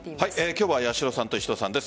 今日は八代さんと石戸さんです。